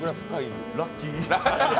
ラッキー！